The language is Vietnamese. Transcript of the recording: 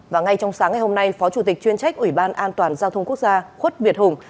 và ngay trong sáng ngày hôm nay phó chủ tịch chuyên trách ủy ban an toàn giao thông quốc gia khuất việt hùng